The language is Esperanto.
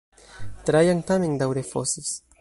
Trajan tamen daŭre fosis.